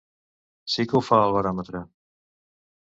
Sí que ho fa el baròmetre.